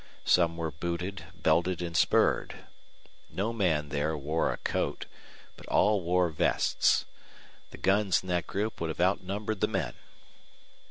Some were booted, belted, and spurred. No man there wore a coat, but all wore vests. The guns in that group would have outnumbered the men.